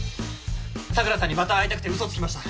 桜さんにまた会いたくて嘘つきました